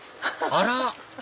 あら！